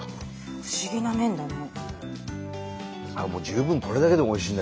不思議な麺だね。